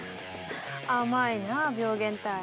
甘いな病原体。